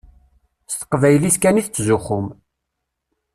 S teqbaylit kan i tettzuxxum.